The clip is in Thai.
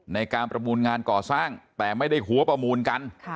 ในการประมูลงานก่อสร้างแต่ไม่ได้หัวประมูลกัน